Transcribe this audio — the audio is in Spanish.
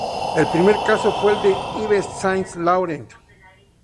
El primer caso fue el de Yves Saint Laurent.